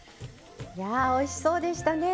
おいしそうでしたね。